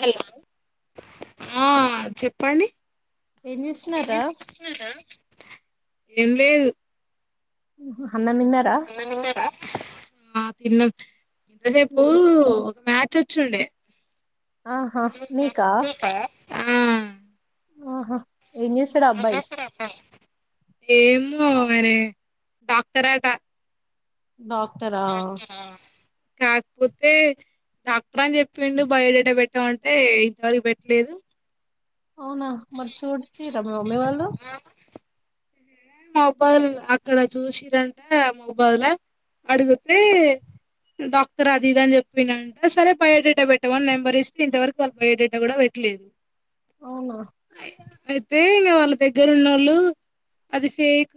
Hello ఆ చెప్పండి ఏం చేస్తున్నారా ఇడ లేదు ఉహ అన్నం తిన్నార ఆ తిన్నం ఇంతసేపుూ ఒక మ చచ్చుండే ఆహా మీకా ఆ ఆహా ఏం చేస్తాడు ఏం అబ్బాయి చేస్తాడు అబ్బాయి ఏమొ ఓ అరె డాక్టరె డాక్టర్ డాక్టరా కాకపోతే డాక్టర్ అని చెప్పిండు బయోడేట పెట్టమంటే ఇంతవరకు పెట్టలేదు అవునా మరి చూడ్ సిరా మీ మమ్మీ వాళ్ళు మోబాదులలో అక్కడ చూసిరంట మోబాదుల అడిగితే డాక్టర్ అది ఇదని చెప్పిండంట సరే బయోడేటా పెట్టమని నెంబర్ ఇస్తే ఇంతవరకు వాళ్ళ బయోడేటా కూడా పెట్టలేదు అవునా అయితే ఇంగ వాళ్ళ దగ్గర ఉన్నోళ్లు అది ఫేక్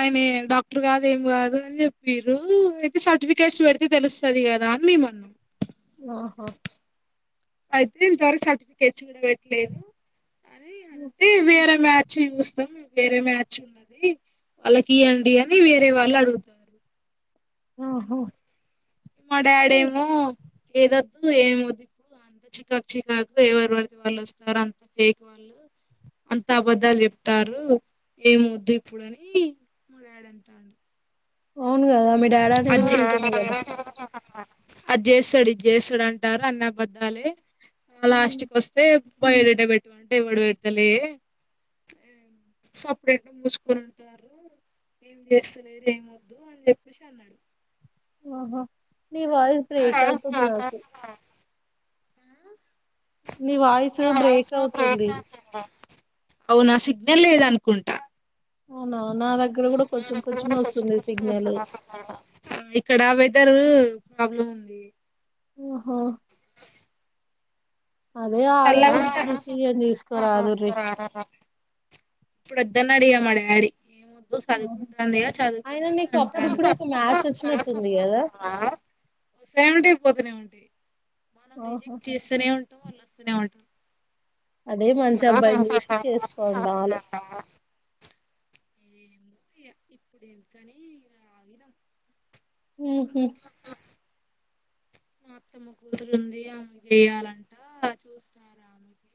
ఆయనే డాక్టర్ కాదు ఏం కాదు అని చెప్పిర్రు అయితే సర్టిఫికేట్స్ పెడితే తెలుస్తది కదా అని మేమన్నాం ఆహా అయితే ఇంత వరకు సర్టిఫికేట్స్ కూడా పెట్ లేదు అని అంటే వి ఆర్ ఎ మా చ్చి చూస్తాం వేరే మ్యాచ్ ఉన్నది వాళ్ళకి ఇయ్యండి అని వేరే వాళ్ళు అడుగుతారు ఆహా ఇ మా డాడేమో ఏదో ఏమ వద్దు ఇప్పుడు అంత చికాకు చికాకు ఎవరు పడితే వాళ్ళు వస్తారు అంత ఫేక్ వాళ్ళు అంత అబద్ధాలు చెప్తారు ఏమొద్దు ఇప్పుడు అని మడాడంటాండు అవును కదా మీ డాడీ [unintelligible] అనేది కూడా నిజమే కదా అది చేస్తాడు, ఇది చేస్తాడు అంటారు. అన్నబద్దాలే ఆ లాస్ట్క్ వస్ తేప్ బయరేట పెట్మంటే ఎవడు పెడతలే ఏమ్ సపరేట్ మూసుకనింటారు. ఏం చేస్తలేరు ఏమోద్దు అని చెప్పేసి అన్నాడు. ఆహా నీ వారి ప్రేకాకుది నాకు నీ వాయిస్ బ్రేక్ అవుతుంది. అవునా సిగ్నేల్ లేదనుకుంటా అవునా నా దగ్గర కూడా కొంచెం కొంచెమే వస్తుంది సిగ్నల్ ఇక్కడ వెదరూ [unintelligible] ప్రాబ్లం ఉంది ఓహో అదే చల్లగా ఆలోచించి డిసిషన్ తీసుకోరాదు. డ్రీ ఉంటే ఇప్పుడు వద్దన్నాడు ఇగ మా డాడీ ఏమోద్దు చదువుకుంటాంది కదా అయినా చదువుకొని ఇగ నీకు అప్పుడు అంటాండు. కూడా ఒక మ్యాచ్ వచ్చినట్టుంది కదా సేమిట అయిపోతనే ఉంటే మనం ఆహా రిజెక్ట్ చేస్తూనే ఉంటాం వాళ్ళు వస్తూనే ఉంటార్ అదే మంచి అబ్బాయిని చూసి చేసుకోండా అలె ఏమో ఇగ ఇప్పుడు ఎందుకని ఇగ ఆగినం ఉమ్ హు మా అత్తమ్మ కూతురుంది ఆమె చేయాలంట చూస్తారు ఆమెకి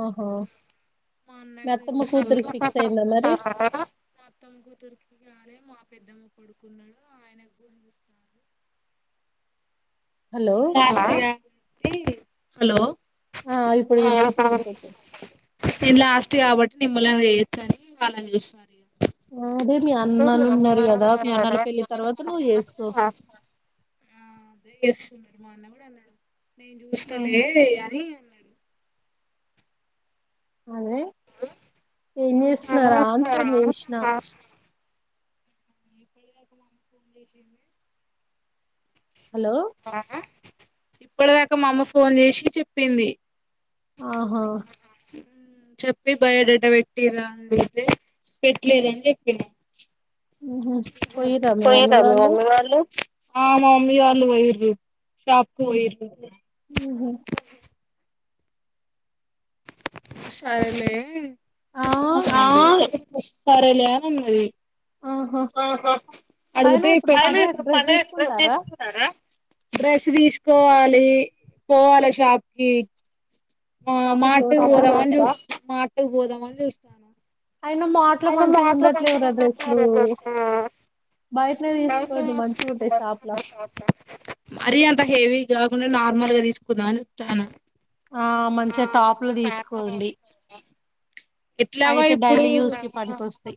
ఆహా మా మీ అన్నయ్యకి అత్తమ్మ కూతురికి ఫిక్స్ అయిందా మరి మా అత్తమ్మ కూతురుకి అదే ఇగ మాకు పెద్దమ్మ పడుకున్నాడు ఆయన గుస హలో [unintelligible] హలో ఆ ఇప్పుడు వినిపిస్తుందా దిన్ లాస్ట్ కాబట్టి నిమ్మళంగా చేయొచ్చని వాళ్ళకి చేస్తారు అదే మీ అన్నలు ఉన్నారు కదా మీ ఉన్నారు అన్నలు కాబట్టి పెళ్ళి తర్వాత నువ్వు చేసుకో ఆ అదే ఎస్ అన్నాడు మా అన్న కూడా అదే అన్నడు నేను ఆ! చూస్తాలే అని అన్నాడు అదే ఏం చేస్తున్నారా ఇప్పటి అనుకోని ఫోన్ చేసిన దాకా మా [inaudible] హలో ఇప్పటిదాకా మా అమ్మ ఫోన్ చేసి చెప్పింది ఆహా ఉమ్ చెప్పి బయోడేటా పెట్టిరా అని చెప్పితే పెట్టలేదని చెప్పిన ఉహు పోయిర్రా మమ్మీ పొయ్యిర్రా మీ మమ్మి వాళ్ళు ఆ మా మమ్మి వాళ్ళు పొయ్యిరూ షాప్ కు పోయ్యిరు ఉహు సరేలే ఆ ఆ సరేలే అని అన్నది ఆహా ఆహా అయినా అడుగుతే ఇప్పుడు పండగకి డ్రెస్ తీసుకుంటారా డ్రెస్ తీసుకోవాలి పోవాలే షాప్ కి ఆ షాపింగ్ మార్ట్ కు పోతారా పోదామని చూస్తున్నా మార్ట్ కు పోదామని చూస్తన్నాం అయినా మాట్ లో మంచిగా ఉండట్లేవురా డ్రెస్సులు బయటనే తీసుకోండి మంచిగా ఉంటాయి షాప్ల మరీ అంత హెవీ కాకుండా నార్మల్ గా తీసుకుందాం అని చూస్తన్నాం ఆ మంచిగా టాపులు తీసుకోండి ఎట్లాగో అయితే ఇప్పుడు డైలీ యూస్ కి పనికొస్తాయి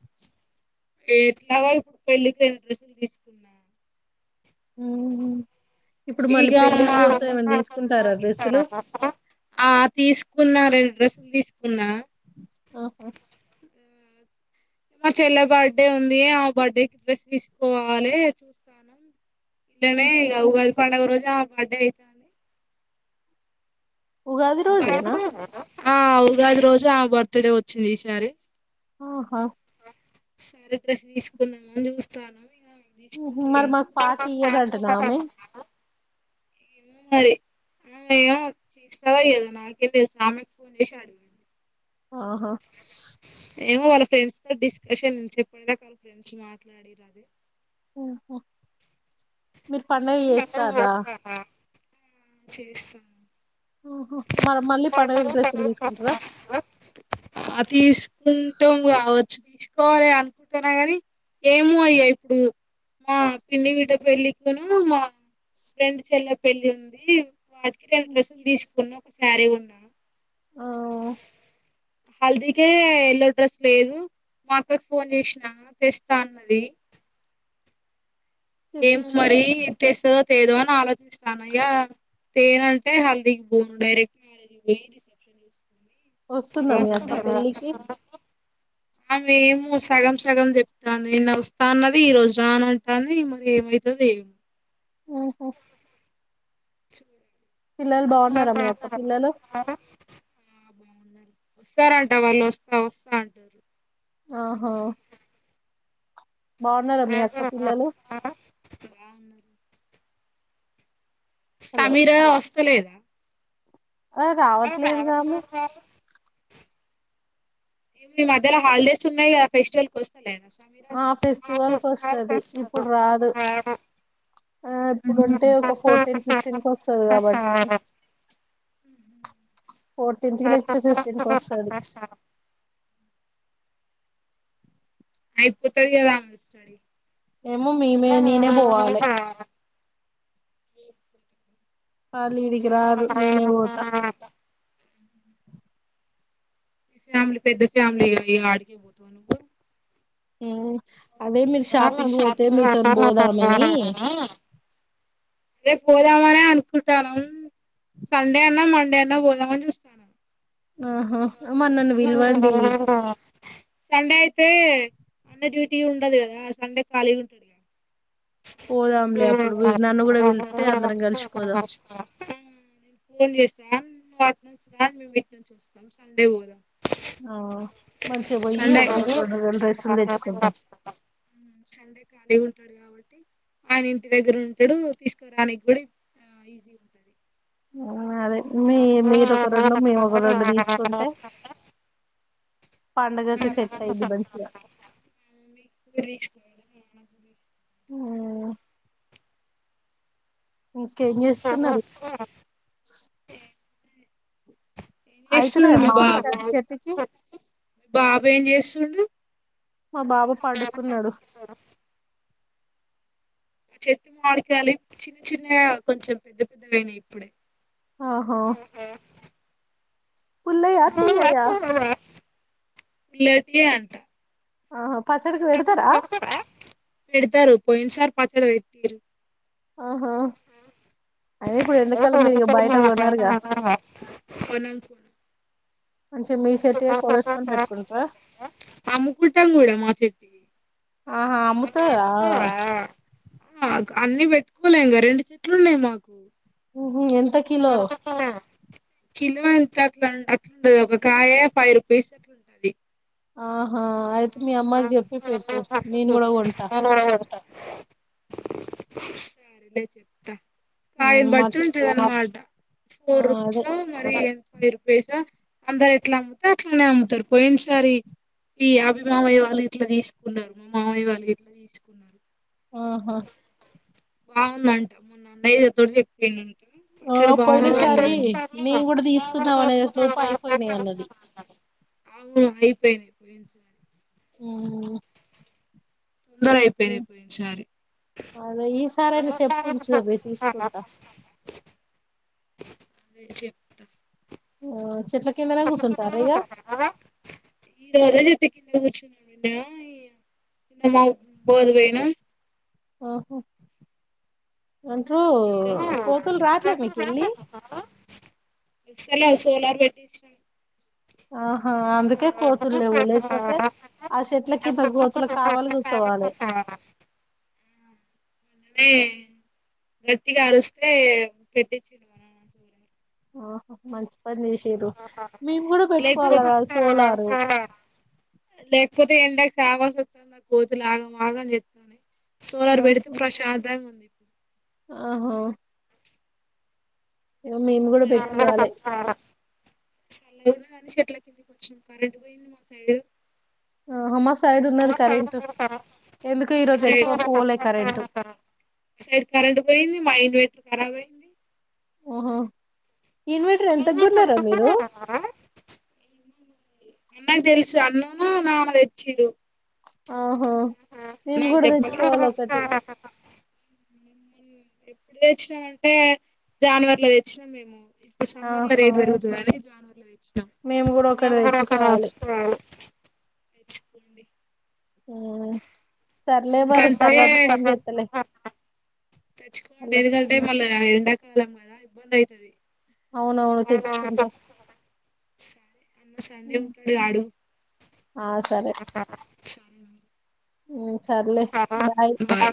ఎట్లాగా ఇప్పుడు పెళ్ళికి రెండు డ్రెస్సులు తీసుకున్నా ఉహుమ్ ఇగ తీసుకుంటారా డ్రెస్సులు ఆ తీసుకున్న రెండు డ్రెస్లు తీసుకున్నా ఆహా మా చెల్లె బర్డే ఉంది ఆ బర్డే కి డ్రెస్ తీసుకోవాలె చూస్తవున్నాం [inaudible] టనే ఇగ ఉగాది పండుగ రోజు బర్డే అయితదని ఉగాది రోజేనా ఆ ఉగాది రోజు ఆ బర్త్ డే వచ్చింది ఈసారి ఆహా సరే డ్రెస్ తీసుకుందాము అని చూస్తాన్నాం ఇగ [inaudible] మరి ఏమో మాకు పార్టీ ఇయ్యదంటనా ఆమె మరి ఆ ఏమో చేస్తాదో చెయ్యదో నాకేం తెలుసు ఆమెకు ఫోన్ చేసి అడగండి ఆహా ఏమో వాళ్ళ ఫ్రెండ్స్ తో డిస్కషన్ [inaudible] ఇందాక వాళ్ళ ఫ్రెండ్స్ మాట్లాడిర్రది ఊహా మీరు పండుగ చేస్తారా. [unintelligible] ఆహా మరి మళ్ళీ పండగకి డ్రెస్సులు తీసుకుంటారా ఆ తీసుకుంటాం కావ చ్చు తీసుకోవాలి అనుకుంటాన్నా గాని ఏమో ఇగ ఇప్పుడు మా పిన్ని బిడ్డ పెళ్ళకునూ మా ఫ్రెండ్ చెల్లె పెళ్ళి ఉంది వాటికి రెండు డ్రెస్ లు తీసుకు కున్నూ ఒక శారీ కొన్న ఆ హల్దీకే ఎల్లో డ్రెస్ లేదు మా అక్కకి ఫోన్ చేసినా తెస్తా అన్నది. ఏమో తెప్పించుకో మరి తెస్ తెస్తాదొ తేదో అని ఆలోచిస్తాను ఇగ తేనంటే హల్దీకి పోను డైరెక్ట్ మ్యారేజ్ కి పోయి రిసెప్షన్ [inaudible] వస్తుందా మీ అక్క వస్తుంద పెళ్ళికి ఆమె ఏమో సగం సగం చెప్తాంది నిన్న వస్తా అన్నది ఈ రోజు రాను ఉంటాంది మరి ఏమైతదో ఏమో ఓహో సర పిల్లలు బావున్నారా మీ అక్క పిల్లలు బాగున్నారు వస్తారంట వాళ్ళు వస్తా వస్తా అంటుర్రు ఆహా బావున్నారా మీ అక్క పిల్లలు బాగున్నారు హలో సమీర వస్ స [unintelligible] లేదా ఆ రావట్లేదు కానీ [inaudible] మధ్యలో హాలిడేస్ ఉన్నాయిగా ఫెస్టివల్కి వస్త లే [inaudible] ఆ ఫెస్టివల్ కొస్తది ఇప్పుడు రాదు ఆ ఇప్పుడుంటే ఒక ఫోర్టీన్ ఫిఫ్టీన్ కొస్తది కాబట్టి ఫోర్టీన్త్ కి లేకపోతే ఫిఫ్టీన్ కి వస్సాది అయి పోతదిగా ఆమె స్టడీ ఏమో మీమే నేనే మీ బోవాలె వాళ్ళీడికి రారు నేనే వోతా మీ ఫ్యామిలీ పెద్ద ఫ్యామిలీగా ఇగ ఆడికే పోతువనువ్వు మ్మ్ అదే మీరు షాపింగ్ పోతే పోతా మీతోని నాతోని బోదామని అదే పోదామనే అనుకుంటనం సండే అన్న మండే అన్న పోదామని చూస్తనం. ఆహా పిలవండి సండే అయితే అన్న డ్యూటీ ఉండదు కదా సండే ఖాళీ ఉంటడుగా పోదాంలే అప్పుడు నన్ను కూడా పిళ్తే అందరం కలిషిపోదాం. ఫోన్ రా నువు ఆటునుంచి రా మేము ఇటునుంచొస్తాం సండే వోదాం ఆ మంచిగా పోయి ఒక రెండు రెండు రెం డ్రెస్సులు తెచ్చుకుదాం డే ఉంటాడు కాబ ఆయన ఇంటి దగ్గర ఉంటాడు తీసుకోరానికి కూడా ఈజీ ఉంటది ఆ అదే మీ మీరు ఒక రెండు మేము ఒక రెండు తీసుకుంటే పండగకి సెట్ అయిద్ది మంచిగా అమ్మేస్ ఆ చేస్తున్నారు [unintelligible] ఏం అయితున్నాయా చేస్తుండు బాబు మామిడికాయలు చెట్టుకి మీ బాబు ఏం చేస్తుండు మా బాబు పండుకున్నాడు మా చెట్టు మావిడికాయలు ఇప్పు చిన్న చిన్నగా కొంచెం పెద్ద పెద్దగాయినాయి ఇప్పుడే ఆహా అవునా పుల్లయా తీయయా పుల్లటియే అంట ఆ పచ్చడికి వెడతరా పోయిన సారి పచ్చడి పెట్టిర్రు ఆహా అయిన ఇప్పుడు ఎన్నికల్లో కొనం మీరు ఇంగ కొనం బయట కొనరుగా మంచి మీ సెట్ కోడసుకొని పెట్టుకుంటార అమ్ముకుంటాం కూడా మా చెట్టుయి ఆహా అమ్ముతా ఆ అన్ని పెట్టుకోలే ఇంకా రెండు చెట్లు ఉన్నాయి మాకు హుహు ఎంత కిలో కిలో ఎంత అట్లుం అట్లుండదు ఒక కాయ ఫైవ్ రుపీస్ అట్లుంటది ఆహా ఐ మీ అమ్మాకి చెప్పి పెట్టు నేను కూడా కొంట నేను కూడా పెడతా సరేదే చెప్తా కాయని మ్మ్ బట్టి మర్చ్ ఉంటది అన్నమాట ఆ ఫోర్ రుపీస్ అదే మరి వరు పేసా అందరు ఎట్లా అమ్ముత అట్లానే అమ్ముతారు పోయినసారి ఈ అభిమావయ వాళ్ళు ఇట్లా తీసుకున్నారు మా మావయ వాళ్ళు ఇట్లా తీసుకున్నారు ఆహా బాగుందంట మొన్న నై తోటి చెప్యిను ఆ పోయిన సారి నేను కూడా తీసుకుందాం అనేది స్ లోపు అయిపోయినాయి అన్నది అవును అయిపోయిన అయిపోయింది సర అ తొందర అయిపోయినయిపోయి సారి అదే ఈసారైనా చెప్పుంచుర్రి తీసుకుంటా అదే చెప్తా ఓ స్తస ఈ రజ క పచ్చ ఎ మా పోదు పోనా ఓహో అంటూ కోతులు రాట్లే మీకుళ్ళి లా సోలార్ పెట్టి ఇష్టం ఆహా అందుకే కోతులు లేవు లేకపోతే ఆ చెట్లకి ఇంత కోతులు కావాలి కూర్చోవాలి అనే గట్టిగా అరిస్తే పెట్టిచ్చడువ నా సూర్య ఆహ మంచించి లేకపోతే పెట్టుకోవాలరా సోలారు లేకపోతే ఎడా కావాస్ వస్తా కోతులు ఆగా ఆగం చెస్తానే సోలార్ పెడితే ప్రశాంతంగా ఉంది ఇప్పుడు ఆహో ఏమేము కూడా పెట్టియాలి చల్లగానా కానీ చెట్ల కిందికి వచ్చాం క రెండి పోయింది మా సైడ్ ఆహా మా సైడ్ ఉన్నది కరెంటు ఎందుకు ఈ రోజు ఎక్కువ పోలే కరెంటు స కరెంట పోయి మా ఇ ఖరాబయింది ఓహో ఇన్వర్టర్ ఎంతకుగున్నారా మీరు అన్నకు తెలుసు అన్నును నాన్న తెచ్చిడు ఆ ఆ మేము కూడా చెప్పలే తెచ్చుకోవాల ఒకటి ఎప్పుడు తెచ్చినాం అంటే జానవరిలో తెచ్చినాం మేము ఇప్పు సమ్మర్ లో ఆహా రేట్జ జనవరి లైక్ మేము కూడా ఒకటి తెచ్చుకోవాలి వచ్చ పండడి ఆ ఎందుకంటే తెచ్చుకోండి హలో ఎందుకంటే మళ్ళా ఎండా కాాలం కదా ఇబ్బంది అవుతుది అవునవును తెచ్చుకుంటా సరే అన్న సంజడు ఆడు ఆ సరే సరే మ ఉమ్ సర్లే బాయ్ హ